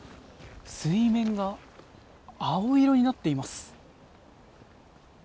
水面が青色になっています。